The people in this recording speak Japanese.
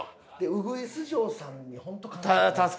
ウグイス嬢さんに本当感謝だね。